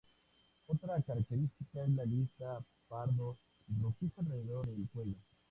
Otra característica es la lista pardo rojiza alrededor del cuello.